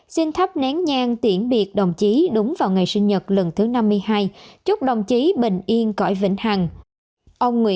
xin thắp nén nhang tiễn biệt đồng chí đúng vào ngày sinh nhật lần thứ năm mươi hai chúc đồng chí bình yên cõi vĩnh hằng